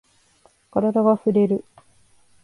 カラダがふれる。